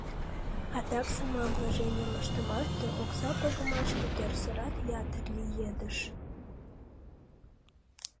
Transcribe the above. Адак самообложенийым ыштымаште, окса погымаште тӧрсырат ятыр лиедыш.